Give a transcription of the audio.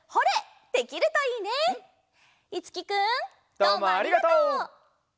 どうもありがとう。